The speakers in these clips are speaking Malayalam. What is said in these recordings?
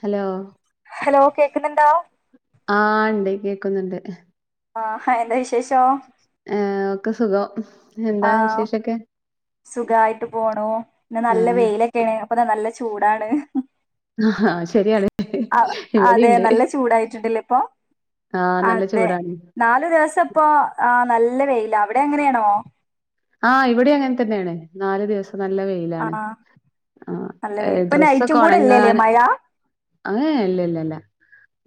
ഹലോ ഹലോ കേക്കുന്നുണ്ടോ ആ ണ്ട് കേക്കുന്നുണ്ട് ആ ഹലോ ആ സുഖം ആ എന്താ വിശേഷൊക്കെ സുഖായിട്ട് പോണു പിന്നെ നല്ല ആഹ് വെയിലൊക്കെയാണ് അപ്പം ദാ നല്ല ചൂടാണ് ഹാ ആ ശരിയാണ് ആ അതെ ഇവിടെയുണ്ട് നല്ല ചൂടായിട്ടുണ്ടല്ലെ ഇപ്പോ ആഹ് നല്ല ആതെ ചൂടാണ് നാല് ദിവസം പ്പോ ആ നല്ല നല്ല വെയിലാ അവിടെ അങ്ങനെയാണോ ആ ഇവിടെ അങ്ങനെ തന്നെയാണ് നാലുദിവസം നല്ല വെയിലാണ് ആഹ് ആ നല്ല വെയിൽ ഇപ്പൊ ഡ്രസ്സ് നൈറ്റും ഒക്കെ കൂടെ ഇല്ലല്ലേ ഒണങ്ങാൻ മഴ അങ്ങനെ അല്ലല്ലല്ല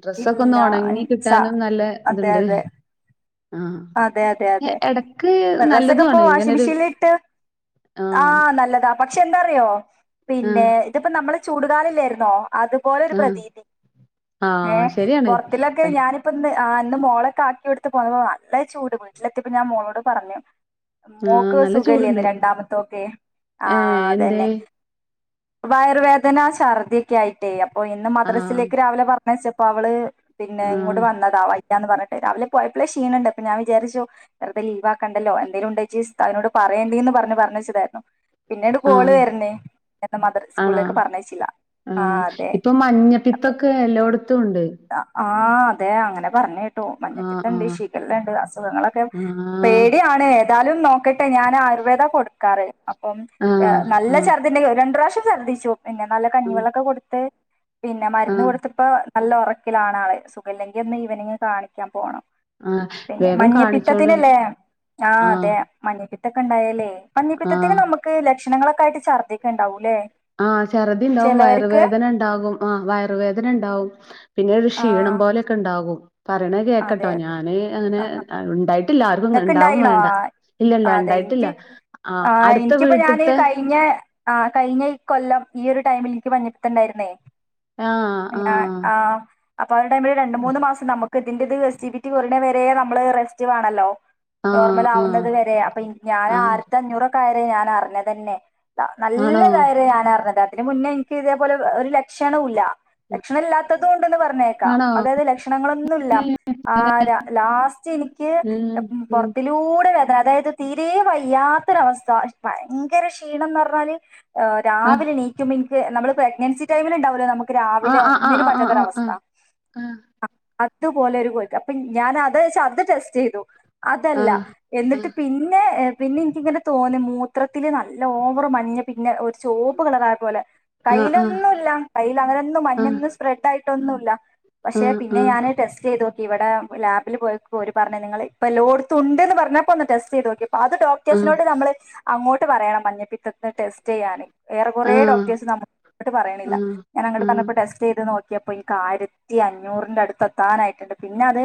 ഡ്രസ്സ് ഒക്കെ ഒന്ന് ഇല്ല ഉം, ഉണങ്ങി സ കിട്ടാനും നല്ല അതെ ഇതുണ്ട് അതെ അതെ അതെ ന്നെ അതെ ഇടയ്ക്ക് ഡ്രസ്സൊക്കെ ഇപ്പൊ നല്ലതുമാണ് വാഷിംഗ് ഇങ്ങനൊരു മെഷീനിൽ ഇട്ട് ആ ആഹ് നല്ലതാ പക്ഷേ എന്താറിയോ പിന്നെ ആഹ് ഇതിപ്പം നമ്മള് ചൂടുകാലം ഇല്ലായിരുന്നോ അതുപോലൊരു ആഹ് പ്രതീതി ഏ ആഹ് ശരിയാണ് പൊറത്തിലൊക്കെ ഞാനിപ്പൊന്ന് ആ ഇന്ന് മോളെ കാക്കിയുടുത്തു പോവാ ത്രയും ചൂട് വീട്ടിലെത്തിയപ്പോൾ ഞാൻ മോളോട് പറഞ്ഞു ആഹ് മോക്ക് നല്ല ചൂടുണ്ട് സുഖയില്ലായിരുന്നു രണ്ടാമത്തോക്കെ ആ ഏഹ് അത് എന്തേ തന്നെ വയറുവേദന ശർദ്ധിക്കായിട്ടേ ഓ ഇന്ന് ആഹ് മദ്രസയിലേക്ക് രാവിലെ പറ ഞ്ഞയച്ചപ്പോ അവള് പിന്നെ ഇങ്ങോട് ആഹ് വന്നതാ വ യ്യാന്ന് പറഞ്ഞിട്ട് രാവിലെ പോയപ്പളേ ശീണം ഇണ്ട് ഞാൻ വിചാരിച്ചു വെറുതെ ലീവ് ആക്കണ്ടല്ലോ എന്തേലും ഉണ്ടെ ജസ്റ്റ്‌ അവനോട് പറയല്ലേന്ന് പറഞ്ഞ് പറഞ്ഞയച്ചതായിരുന്നു. പിന്നീട് ആ കോള് വരണേ എന്താ മദർ ആ സ്കൂളിലേക്ക് പറഞ്ഞയച്ചില്ല ആ ആഹ് അതെ ഇപ്പം അപ്പൊ മഞ്ഞപ്പിത്തൊക്കെ എല്ലായിടത്തും ഉണ്ട് ആ അതെ അങ്ങനെ പറഞ്ഞു [unintelligible] ആഹ് മഞ്ഞപ്പിത്തണ്ട് ആഹ് ശരി [unintelligible] അസുഖങ്ങളൊക്കെ ആഹ് പേടിയാണേ എന്താലും നോക്ക് ഹെ ഞാന് ആയുർവേദ കൊടുക്കാറ് അപ്പം അപ്പം എ ആഹ് നല്ല ആഹ് ഛർദി ഉണ്ടെങ്കിൽ ഒരു രണ്ടുപ്രാവശ്യം ഛർദ്ദിച്ചു പിന്നെ നല്ല ഉം കഞ്ഞിവെള്ളം ഒക്കെ കൊടുത്തു പിന്നെ മരുന്ന് ആഹ് കൊടുത്തപ്പോ നല്ല ഉറക്കിലാണ് അവൻ സുഖയില്ലെങ്കിൽ ഇന്ന് ഈവനിംഗ് കാണിക്കാൻ പോണം ആഹ് പിന്നെ വേഗം കാണിച്ചോണ്ട് മഞ്ഞപ്പിത്തത്തിന് ലെ അ ആഹ് അതെ മഞ്ഞപ്പി- ഇതക്കണ്ടായലെ മഞ്ഞപ്പിത്തത്തിന് ആഹ് നമ്മുക്ക് ലക്ഷണങ്ങളൊക്കെ ആയിട്ട് ഛർദ്ദിക്കും ഉണ്ടാക്കും അല്ലേ ആ ചർദ്ദി ഉണ്ടാവും വയറുവേദന ഇണ്ടാകും ആ വയറുവേദന ഇണ്ടാകും പിന്നെ ഒരു ആ ക്ഷീണം പോലെയൊക്കെ ഉണ്ടാകും പറയുന്ന അതെ കേൾക്കട്ടെ അതെ ഞാന് അങ്ങനെ ഉണ്ടായിട്ടില്ല ആർക്കും നിനക്ക് ഉണ്ടാവും ഉണ്ടായിണോ വെണ്ടാ ആ ഇല്ല അതെ ഉണ്ടായിട്ടില്ല എനിക്ക് ആ ആഹ് അടുത്ത എനിക്കിപ്പോ ഞാന് വീട്ടിത്തെ കഴിഞ്ഞ കഴിഞ്ഞ ഈ കൊല്ലം ഈയൊരു ടൈമില് ഇനിക്ക് മഞ്ഞപ്പിത്തം ഉണ്ടായിരുന്നെ ആഹ് ഉ ണ്ട ആഹ് അ ങ ആ ടൈമിൽ രണ്ടുമൂന്നു മാസം നമുക്ക് ഇതിന്റെ ത് എസ്ഡിപി കുറയുന്നത് വരെ നമ്മള് റസ്റ്റ് വേണമല്ലോ ആഹ് നോർമൽ ആഹ് ആകുന്നത് വരെ ഇ അപ്പ ഞാൻനാ ആഹ് അദ്യത്തെ ആഞ്ഞൂർ ഇക്കാര്യം ഞാൻ അറിഞ്ഞത് തന്നെ നല്ല ആണോ കാര്യമാണ് പറഞ്ഞത് ഇതിനു മുന്നേ എനിക്ക് ഇതുപോലെളള ഒരു ലക്ഷണമില്ല ലക്ഷണം ഇല്ലാത്തതുകൊണ്ട് പറഞ്ഞേക്കാം ആണോ അതായത് ലക്ഷണങ്ങൾ ഒന്നും ഇല്ല ആ ര ലാസ്റ്റ് എനിക്ക് ഉം ഉം പുറത്തിലൂടെ അതായത് തീരെ വയ്യാത്ത ഒരു അവസ്ഥ ഭയങ്കര ക്ഷീണം എന്ന് പറഞ്ഞാൽ ആ രാവിലെ എണീക്കുമ്പഴക്ക് നമ്മൾ പ്രഗ്നൻസി ടൈം ഉണ്ടാകുമല്ലോ നമുക്ക് ആ രാവിലെ ആ ആ ഒന്നിനും ആ പറ്റാത്ത ഒരു ആ ആ ആ ആ ആ ആ ആ ആ ആ ആ ആ ആ ആ അവസ്ഥ അതുപോലൊരു കേഴുക്ക് അപ്പേ ഞാനത് അത് ടെസ്റ്റ് ചെയ്തു അതല്ല എന്നിട്ട് പിന്നെ എ പിന്നെ ഇങ്ങനെ തോന്നെ മൂത്രത്തില് നല്ല ഓവർ മഞ്ഞപിന്നെ ചോപ്പ് കളർ ആയ പോലെ ആ കയ്യിൽ ഒന്നുമില്ല കയ്യില് അങ്ങനെയൊന്നും മഞ്ഞ സ്പ്രെഡ് ആയിട്ടില്ല ട്ടൊന്നുല്ല പക്ഷെ പി അ ഞാന ടെസ്റ്റ് ചെയ്തു ഇവിടെ ലാബിൽ പോയപ്പോ ഓര് പറഞ്ഞ നിങ്ങള് ഇപ്പൊ ലോട്ത്തു ഉണ്ട്ന്ന് പറഞ്ഞപ്പോ ഒന്ന് ടെസ്റ്റ് ചെയ്ത് നോക്കി അത് ഡോക്ടേഴ്സിനോട് നമ്മള് അങ്ങോട്ട് പറയണം മഞ്ഞപ്പി ടെസ്റ്റ് ചെയ്യാന്. ഏറെ കുറേ ഡോക്ടേഴ്സ് നമ്മോട് പറയണില്ല. ഞാനങ്ങട്ട് വന്നപ്പോ ടെസ്റ്റ് ചെയ്ത് നോക് ക്കിയപ്പോ എനിക്ക് ആയിരത്തിഅഞ്ഞൂറ് ന്റെ അടുത്ത് എത്താനായിട്ടുണ്ട് പിന്നെ അത്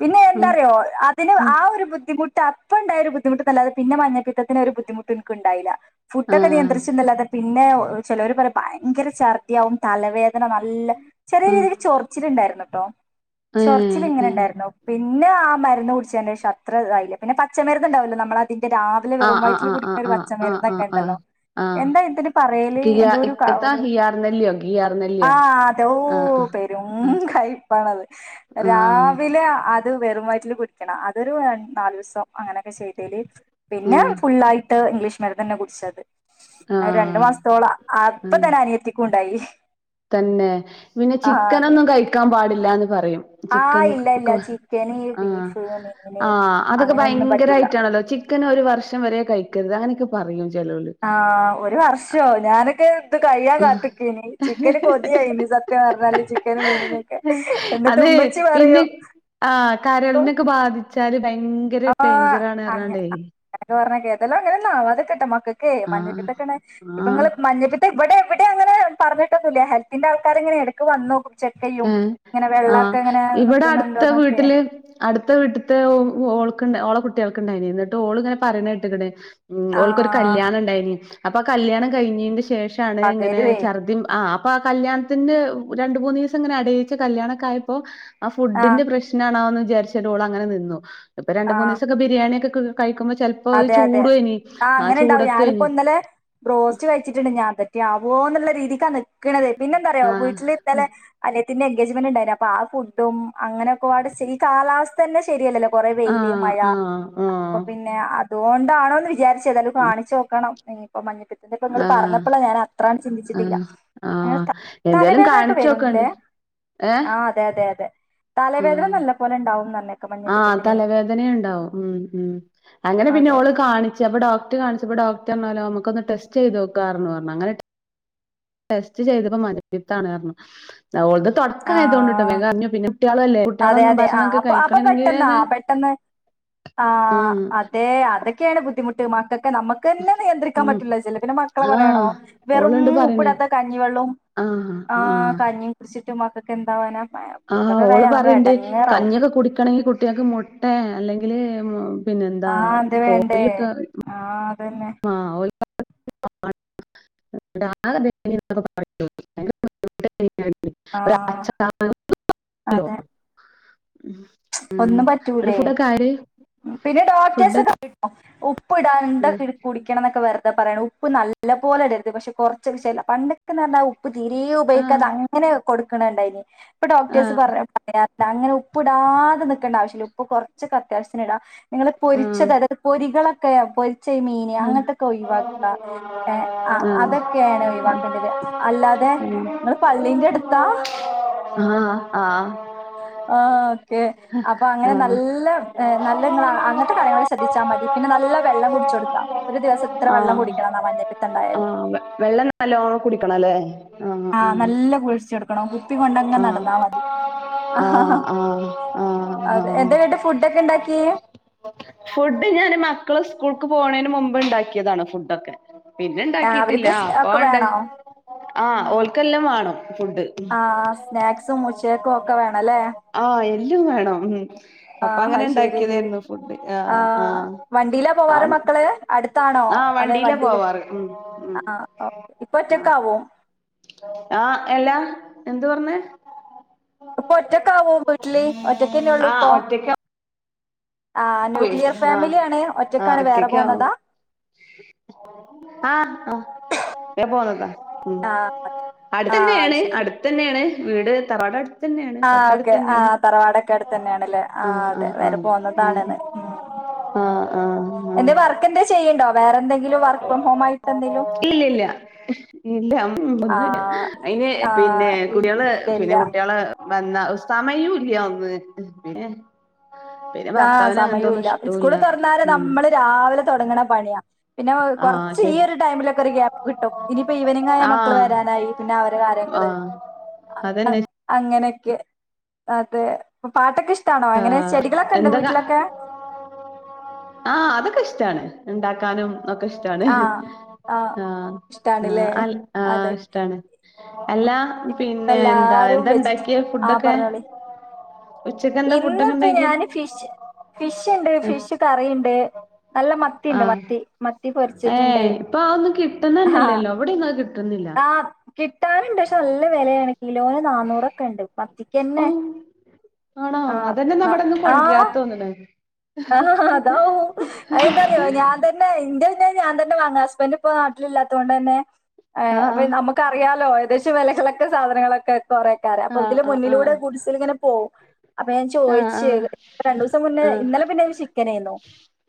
പിന്നെ എന്താറിയോ അതിന് ആ ഒരു ബുദ്ധിമുട്ടാ ഇപ്പ ഉണ്ടായ ഒരു ബുദ്ധിമുട്ട്ന്നെല്ലാതെ പിന്നെ മഞ്ഞപ്പിത്തത്തിന് ഒരു ബുദ്ധിമുട്ട്നിക്കുണ്ടായില്ല ആ ആ ഫുഡോക്കെ നിയന്ത്രിച്ചിന്നെല്ലാതെ പി ന്നെ ചിലോരു പറ ഭയങ്കര ഛർദ്ദിയാകും തലവേദന നല്ല, ചെറിയ ആ രീതിയിൽ ചൊറിച്ചില് ഇണ്ടായിരുന്നു. ട്ടോ ഏ ചൊർച്ചില് ഇങ്ങനെ ഏ ഇണ്ടായിരുന്നു പി പിന്നെ ആ മരുന്ന് കുടിച്ചന്റെഷം അ ത്ര ഇതായില്ല പിന്നെ പച്ചമരുന്ന്ണ്ടാവല്ലോ നമ്മൾ അതിന്റെ രാവിലെ ആ വെറും ആ വയറ്റിൽ ആ ആ കുടിക്കുന്ന ഒരു ആ ആ ആ പച്ചമര്ന്നൊക്കെ ആ ഉണ്ടല്ലോ ആ എന്താ ഇതിന് പറയല് കിയാ എന്തോ ഒരു കാ എത്താ ഹിയാർ നെല്ലിയോ ഗിയാർ ആ നെല്ലിയോ അതേ ഓ ആ ആ പെരും ആ കൈ ആ രാവിലെ അത് വെറും വയറ്റില് കുടിക്കണം അതൊരു ര നാല്സം അങ്ങനെയൊക്കെ ചെയ്തേല് പിന്നെ ഫുള്ളായിട്ട് ഇംഗ്ലീഷ് മരുന്നേന്നെ കുടിച്ചത്. ആ ആ അത് രണ്ടു മാസത്തോളം ആ അപ്പ തന്നെ അനിയത്തിക്കുണ്ടായി തന്നെ പിന്നെ അതെ ചിക്കനൊന്നും കഴിക്കാൻ പാടി ല്ലാന്ന് പറയും ആഹ് ഇല്ല ഇല്ല ചിക്കൻക് ചിക്കന്, ആ ബീഫ്, മീന് ആ അതൊക്കെ അങ്ങനെയൊന്നും പറ്റൂല. ഭയങ്കരയിട്ടാണല്ലോ ചിക്കൻ ഒരു വർഷം വരെ കഴി രുത് അങ്ങനൊക്കെ പറയും ചെലോല് ആ ഒരു വർഷോ ഞാനൊക്കെ ഇത് കയ്യാൻ കാത്ത്ക്കേനി ചിക്കന് കൊതിയായിനി സത്യം പർഞ്ഞാല് ചിക്കനും മീനിനൊക്കെ അത് എന്നിട്ടുമ്മച്ചി പിന്നെ പറയും ച്ചാല് ഭയങ്കര ഡെയ്ഞ്ചറാണർഞ്ഞാണ്ടേ ഏതല്ലോ അങ്ങനെ ഒന്നും ആവാത്ക്കട്ടെ മ [unintelligible] ആഹ് മഞ്ഞപ്പിത്തക്കണ് ആഹ് മഞ്ഞപ്പിത്തം ഇവിടൊക്കെ [unintelligible] ഇവിടെ അങ്ങനെ പറഞ്ഞിട്ടൊന്നുല്ല ഹെൽത്തിൻ്റെ ആൾക്കാരിങ്ങനെ ഇടയ്ക്ക് വന്നോക്കും ആഹ് ഇവിടെ അടുത്ത നിക്കണുണ്ടോന്നൊക്കെ വീട്ടില് അടുത്ത വീട്ടിത്തെ ഓൾ [unintelligible] ഓളെ കുട്ടികൾക്ക് ഇണ്ടായിനു ന്നിട്ട് ഓള് ഇങ്ങനെ പറയിന്ന കേട്ട്ക്കണ് ഓൾക്കൊരു ആഹ് കല്യാണണ്ടെയിനു അപ്പോ കല്യാണം കയ്ഞ്ഞീഞ്ഞേഷ് ശേഷാണ് ഇങ്ങനെ പകരുവേ ശർദ്ദിം ആഹ് [unintelligible] ആഹ് കല്യാണത്തിൻ്റെ രണ്ട് മൂന്ന് സങ്ങനെ അടീച്ച് കല്യാണൊക്കെ ആയപ്പോ ആ ആഹ് ഫുഡിൻ്റെ പ്രശ്നാണോന്ന് ചാര്ചാണ്ട് ഓളങ്ങനെ നിന്നു ഇപ്പൊ രണ്ട് ആഹ് മൂന്നിസൊക്കെ ബിരിയാണിക്കെ ക്ക് കയികുമ്പ അതെ അതെ ആ അങ്ങനെണ്ടാകും ഞാനിപ്പോ ചൂടത്വേനി ഇന്നലെ ബ്രോസ്റ്റ് കഴിച്ചിട്ടുണ്ട് [unintelligible] ആവോന്നുള്ള രീതിക്കാ നിക്കണത് [unintelligible] പിന്നെന്താറിയോ ആഹ് വീട്ടില് ന്നലെ അനിയത്തി പിന്നെ എങ്കേജ്മെൻ്റ് ഇണ്ടായിന് അപ്പോ ആ ഫുഡും അങ്ങനെ [unintelligible] ഈ കാലാവസ്ഥ തന്നെ ശരിയല്ലല്ലോ കൊറേ വെയില് ആഹ് മഴ ആഹ് അപ്പൊ ആഹ് പിന്നെ അത് കൊണ്ടാണോന്നു വിചാരിച്ച് ഏതായാലും ഒന്നു കാണിച്ചു നോക്കണം. [unintelligible] ഇതൊക്കെ ഇങ്ങള് ആഹ് പറഞ്ഞപ്പോളാ ഞാനത്ര ആഹ് ആഹ് എന്തായാലും തലവേദനൊക്കെ കാണിച്ചോക്ക് കൊണ്ടീ ങ്ങേ തേ തലവേദന നല്ലപോലെ ഇണ്ടാവും ന്ന് പറഞ്ഞ് ആഹ് തലവേദനയും ഉണ്ടാകും ഉം ഉം അങ്ങനെ പിന്നെ അതെ ഓള് കാണിച്ച് അപ്പൊ ഡോക്ടറെ കാണിച്ചപ്പോ ഡോക്ട ട്ടെന്നാലോ നമുക്കൊന്നു ടെസ്റ്റ് ചെയ്തൊക്കാ പറഞ്ഞു അങ്ങനെ ടെസ്റ്റ് ചെയ്തപ്പോ മഞ്ഞപ്പിത്താന്നു പറഞ്ഞു ഓൾടത് ആ തുടക്കായതുകൊണ്ട്ട്ടാ വേഗം അറിഞ്ഞേ പിന്നെ കുട്ട്യാളല്ലേ കുട്ട്യോളൊന്നും ഭക്ഷണക്കെ കഴി പെട്ടന്നാ പെട്ടന്ന് ആഹ് ഉം അതെ അതൊക്കെയാണ്‌ ബുദ്ധിമുട്ട് മക്കൾ ക്ക നമ്മക്ക്ന്നെ നിയന്ത്രിക്കാൻ ഉം പറ്റണില്ലാ ചെലപ്പോ പിന്നെ മക്കളെ ആഹ് പറയണോ വേറെ ഓള്ണ്ട് ഒന്നും പറയ്ണ് ഉപ്പിടാതെ കഞ്ഞിവെള്ളവും ആഹ് ആ കഞ്ഞി കുടിച്ച് മക്കൾക്ക് എന്താവാനാ. ആ ഇതൊക്കെ ഓൾ കഴിഞ്ഞാൽ പറ നമ്മൾ ർണ്ട് എടങ്ങേറാവും കഞ്ഞി ഒക്കെ കുടിക്കണങ്കി കുട്ട്യാൾക്ക് മുട്ടെ അല്ലെ അലെമുൽ ആഹ് അത് വേണ്ടേ ആഹ് പിന്നെ [unintelligible] [unintelligible] ആഹ് അതെ [unintelligible] ഒന്നും അവിടെ പറ്റൂലെ ഫുഡൊക്കെ ആര് പിന്നെ ഫുഡ് ഡോക്ട്ടേഴ്‌സ് ഒക്കെ [unintelligible] ഓ ഉപ്പിടാണ്ട കുടിക്കണന്നൊക്കെ പറ പറയ്ണ് ഉപ്പ്‌ നല്ല പോലെ ഇടരുത് പക്ഷെ കൊറച്ചല വ്ശ്യയല പണ്ടൊക്കെ ന്ന് പറഞ്ഞാ ഉപ്പ്‌ തീരെ ആഹ് ഉപയോഗിക്കാതെ അങ്ങനെ കൊടു ക്കണണ്ടയ്ൻ ഇപ്പൊ ഡോക്ടേയ്സ് ആഹ് പറന് പറയാ അങ്ങനെ ഉപ്പിട ടാതെ നിക്കണ്ട ആവിശ്യല്ല ഉപ്പ് കൊറച്ചൊക്കെ അത്യാവിശ്യത്തിന് ഇടാ നിങ്ങള് പൊരിച്ച ആഹ് തരം പൊരികളാ ക്കയാ പൊരി ച്ചെമീൻ ആഹ് അങ്ങനത്തൊക്കെ ഒഴിവാക്കാ ഹേ ആഹ് ആഹ് അതൊക്കേണ് ഒഴിവാക്കേണ്ടത് അല്ലാതെ നിങ്ങള് പള്ളിന്റെ എടുത്താ ആഹ് ആഹ് [unintelligible] യെ അപ്പൊ അങ്ങനെ നല്ല നല്ല നിങ്ങൾ അങ്ങൻത്തെ കാര്യങ്ങൾ ശ്രദ്ദിച്ചാമതി പിന്നെ നല്ല വെള്ളം കുടിച്ചൊട്ക്ക ഒരു ദിവസം ഇത്ര വെള്ളം കുടിക്കണന്നാ മഞ്ഞപിത്ത ഔ വെള്ളം നല്ലോണ കുടിക്കണലേ ആഹ് നല്ല കുഴിച്ചിട കുടിക്കണം കുപ്പി കൊണ്ടങ്ങനെ ആഹ് നടന്നാമതി ആ ആ ആഹ് ആഹ് ആഹ് ആഹ് അതെ ആഹ് എന്തേ ഇന്നിട്ട് ഫുഡ് ഒക്കെ ഇണ്ടാക്കി ഫുഡ്‌ ഞാൻ മക്കൾ സ്കൂൾക്ക് പോണേന്റെ മുൻപ് ഇണ്ടാക്കിയതാണ് ഫുഡൊക്കെ പിന്നെ ആഹ് ഇണ്ടാക്കീട്ടില്ല അവർക്ക് സ് ഒക്കെ അപാണ്ട് വേണോ? ആ ഓല്ക് അതെല്ലാം വേണം ഫുഡ് ആഹ് സ്നാക്സും ഉച്ചേക്കും ഒക്കെ വേണല്ലേ ആഹ് എല്ലും വേണം ഹ് ഹ് അപ്പങ്ങനെ ഇ ണ്ടാക്കിയേ തേര് ന്നു ഫുഡ് ആ ആഹ് ആഹ് വണ്ടീലാ പോവാറ് ആഹ് മക്കള് അട്ത്താണോ ആഹ് അതെ വണ്ടിയിലാ വണ്ടീല് പോവാറ് ഉം ഉം അഹ ആ ഒ ഇപ്പൊറ്റക്കാവോ ആ പ എല്ലാ എന്ത് പറ്ഞ്ഞെ അപ്പൊ ഒറ്റക്കാവോ വീട്ടില് ഒറ്റെങ്ങന്നെള്ളു ഇപ്പൊ ആ പോയി ന്യൂക്ലിയർ ആ ഫാമിലിയാണ് ആ ഒറ്റക്കാണ് വേറെ ഒറ്റക്കാവുണ് പോന്നതാ ആ [unintelligible] ഉം ആ ആ അത് അടുത്തന്നേണ് ശരി അടുത്തന്നേണ് വീട് തറവാടടു ആ ഓക്കേ ആ തറവാടൊക്കാടുതന്നെണല്ലേ ആ അതെ വേറെപ്പൊ ഒന്നും താണെന്ന് ആ ആ ആ ചെയ്യൂണ്ടോ ഓ ഇല്ല്യല്ല ഇല്ല ഇല്ല്യ മ്മ് ഒ ആ ഒന്നൂല്ല അയ്ന് ആ പിന്നെ കുട്യേളില് ഇല്ല ഇല്ല പിന്നെ കുട്ട്യോ ള് വന്ന സമയുല്ല്യ ഒന്ന് പിന്നെ പിന്നെ ത്താ ഭർത്താവിന് അങ്ങനത്തൊന്നും സമയമില്ല മിസ്സ്‌ ഇഷ്ടൂല്ല കോൾ തൊർന്നാല് ഉം നമ്മള് രാവിലെ പണ്യ ആഹ് പിന്നോകൊർച്ചു ഈ ശരി ഒരു ടൈമിലൊക്കൊരു ഗ്യാപ് കിട്ടും ഇനീപ്പോ ഈവെനിങ്ങായ മക്കള് ആഹ് വരാനായി പിന്നെ അവരെ കാര്യങ്ങള് ആഹ് അ അതന്നെ അങ്ങനെ ക്ക് അതെ പാട്ടൊക്കെഷ് ട്ടാണോ എങ്ങനെ ചെടികളൊക് ക്കൊണ്ടോ വീട്ടിലൊക്കെ ആ അതൊക്കെഷ്ടാണ് ണ്ടാക്കാനും അതൊക്കെഷ്ടാണ് ആഹ് ആഹ് ആ ആ ഇഷ്ടാണ്ല്ലേ അല്ല ആ അതെ ഇപ്പ ഇഷ്ടാണ് അല്ലാ പിന്നെ എന്താ എല്ലാരും എന്താണ്ടാക്കിയെ ഫുഡോക്കെ ഇന്ന്പ്പൊ ഞാന് ഫിഷ് ഫിഷ്ണ്ട് ഫിഷ്ക ണ്ട് നല്ല മത്തിണ്ട് ആഹ് മത്തി മത്തി പൊരിച്ചിട്ട് ണ്ട് ഏഹ് ഇപ്പൊ അതൊന്നും ആ കിട്ടുന്നന്നെല്ലല്ലോ ഇവിടെയൊന്നും അത് കിട്ടുന്നില്ല ആ കിട്ടാറുണ്ട് പക്ഷെ നല്ല വെലേണ് കിലോന് നാന്നൂറോക്കേണ്ട് പ ചിക്കെന്നെ ആ അതന്നെ ന്നബടെന്ന് കൊണ്ട്രാതോ ന്ന്ണ്‌ ആഹാ താവും അയെന്താഞാന്തന്നെ ഇന്റെന്നെ ഞാന്തന്നെ വാങ്ങാ ഹസ്ബന്റ് പ്പൊ നാട്ടിലില്ലാത്തത് കൊണ്ടെന്നെ അയെ ആഹ് അപ്പൊയ് നമുക്കറിയാലോ എത് ദശ വെലകളൊക്കെ സാധനങ്ങളൊക്കെ കെറെക്കാര് അപ്പം ആഹ് അതില് ആഹ് മുന്നിലുടെ കുടിസിലിങ്ങനെ പോവും അപ്പം ഞാൻ ആഹ് ചോദിച്ചു രണ്ട് ദിവസം മുന്നേ ആഹ് ഇന്ന ചിക്കനായിരുന്നോ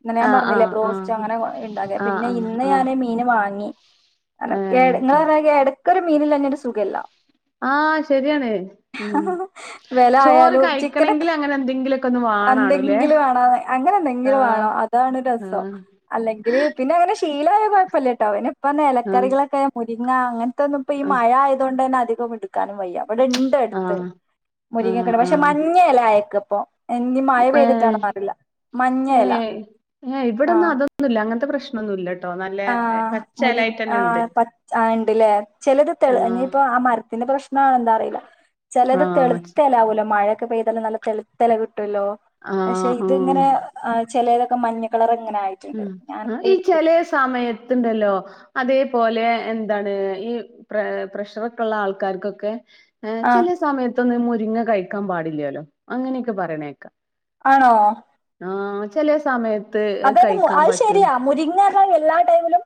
ഇന്നലെ ഞാൻ ആഹ് പറഞ്ഞില്ലെ ആഹ് ആഹ് ബ്രോസ്‌റ്റ് ആഹ് അങ്ങനെ ഉണ്ടാക്കി ആഹ് പിന്നെ ആഹ് ഇന്ന് ആഹ് ആഹ് ഞാന് മിന് പനി അണ്ട് എട ഇന്നലെ ഏഹ് വരുകയാണെ എടക് ഇതില് അല്ലേല് സുഖയില്ല ആ ശരിയാണ് ഉം വെല ചോറ് ആയാലും ചിക്കനൊക്കെ കഴിക്കണെങ്കില് അങ്ങനെ എന്തെങ്കില് ഒക്കെ ഒന്ന് വേണണുല്ലെ? ആ അങ്ങനെ എന്നെങ്കിലും വേണം അതാണ് രസം ആഹ് അല്ലെങ്കില് പിന്നെ അങ്ങനെ ശീലം കെഴപ്പയില്ലട്ടോ ഇപ്പന്ന് ആഹ് ഇലകറികൾ ഒക്കെ ങ്ങ ങ്ങെ ഇപ്പ ഒന്നു ഇപ്പം ഈ മഴ ആയത് കൊണ്ട് തന്നെ ഇപ്പം ഇടുക്കാനും വയ്യ ഇവിടെ ഉണ്ട് അടുത്ത് ആഹ് ആഹ് മുരിങ്ങകട പക്ഷെ ആഹ് മഞ്ഞയില ആയേക്ക് ഒ എന്നിയി മഴ പെയ്തിട്ട് ഉം ഇവിടെ ആ അതെന്നുമില്ല അങ്ങനെത്തെ അതന്നുയില്ല ആ മുരി ആ പച്ച ആ ഇല്ലെ ചിലത് ആഹ് തിളങ്ങിപ്പോ ആ മര പിന്നെ പ്രശ്ന എന്താണെന്ന് അറിയില്ല ചിലത് ആഹ് തളിർത്തയില ആവുമല്ലോ മഴ ഇപ്പ പെയ്തല്ലോ നല്ല തളിർത്തയില ഹലോ ആഹ് പക്ഷെ ഇത് ആഹ് ഇങ്ങനെ ആ ചില മഞ്ഞകളറ് ഉം ഈ ചെലെ സ തുണ്ടല്ലോ അതെ പോലെ എന്താണ് ഈ പ്ര പ്രഷറക്കെ ഉള്ള ആൾകാർക്ക് ഒക്കെ ഏ ആ വെച്ചാല് സമയത്ത ഒന്ന് ങ്ങകഴിക്കാൻ പാടില്ലല്ലോ അങ്ങനെ യെക്കെ പറയുന്നത് കേക്കാം. ആണോ ആ ചില സമയത്ത് അതേ അത് മു കഴിക്കാൻ അത് പറ്റൂല ശരിയ മുരിങ്ങ ആ എല്ലാ ടൈയിമിലും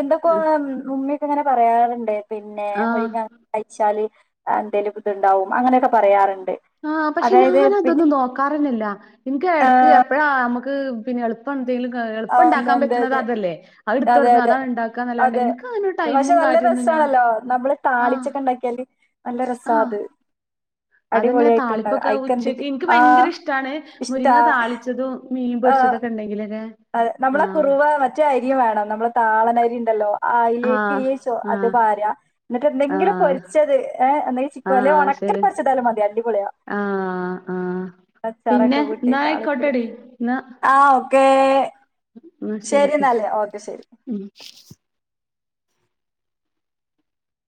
എന്തൊക്കെയാണ് മുന്നിൽ അങ്ങനെ പറയാറ്ണ്ട് പിന്നെ ആഹ് മുരിങ്ങ കയിച്ചാല് എന്തേലു ഒക്കെ ഇതുണ്ടാവും അങ്ങനൊക്കെ പറയാറ് ആഹ് പക്ഷെ ഞാനതൊന്നും നോക്കാറന്നെല്ല ഇൻക്ക് എടക്ക് എപ്പഴാ അമ് ക്ക് പിന്നെ എളുപ്പം ത്തിൽ കാ എളുപ്പ ഇണ്ടാക്കാൻ അതെ പറ്റ്ണത് അതല്ലേ അതെ അഅ്ഇട്ത്തൊട്ന്ന് അതെ അതാ ഇണ്ടാക്കാന്നല്ലാണ്ടെ അതെ എൻക്കയ്ന് പക്ഷെ ടൈമും നല്ല കാര്യേന്നും ഞാൻ രസമാണല്ലോ നമ്മള് ആഹ് താളിച്ചൊക്കെ ഉണ്ടാക്കിയാല് നല്ല രസാ ആഹ് അത് അതന്നെ അടിപൊളിയായിട്ടുണ്ടാവും താളിപ്പൊക്കെ അയിക്ക് ഉച്ചക്ക് എന്തൊക്കെ ഇൻക്ക് ആ ഭയങ്കര ഇഷ്ടാണ് ഇഷ്ടാ മുരിങ്ങ താളിച്ചതും മീൻ പൊരിച്ചതൊക്കെ ഇണ്ടങ്കിലൊക അതെ നമ്മള കുറുവ മറ്റെ അരിയും വേണം നമ്മളെ താളനര് രിണ്ടല്ലോ അയിലേക്ക് ആഹ് ഈ ചോ അത് ആഹ് പാരാ ന്നട്ട് എന്തെങ്കിലും ആഹ് പൊരിച്ചത് ഏ ഒന്നെങ്കി ചിക്കം അല്ലെയോ ആഹ് ഒണക്കല് ശരി പൊരിച്ചതായാലും മതി അടിപൊളിയാ ആഹ് ആഹ് പിന്നെ അച്ചാറൊക്കെ കൂട്ടി എന്നാ താളിപ്പില് ആയിക്കോട്ടെടി എന്നാ ആഹ് ക്കേ ശരി എന്നാല് ഓക്കെ ശരി ഉം